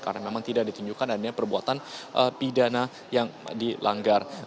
karena memang tidak ditunjukkan adanya perbuatan pidana yang dilanggar